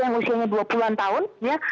yang usianya dua puluh an tahun ya